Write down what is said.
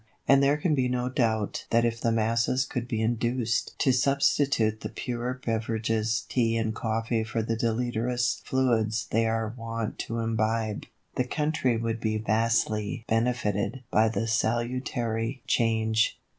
And there can be no doubt that if the masses could be induced to substitute the pure beverages Tea and Coffee for the deleterious fluids they are wont to imbibe, the country would be vastly benefited by the salutary change.